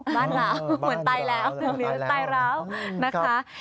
บ้านร้าวเหมือนตายแล้วตายร้าวนะคะ